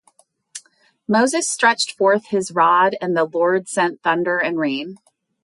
Moses stretched forth his rod and the Lord sent thunder and rain.